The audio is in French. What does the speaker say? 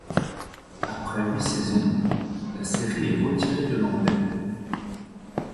Après huit saisons, la série est retirée de l'antenne.